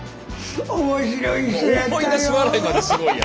思い出し笑いまでするんや。